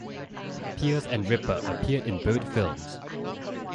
Pearce and Ripper appeared in both films.